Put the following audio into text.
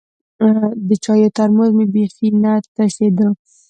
د چايو ترموز مې بيخي نه تشېده.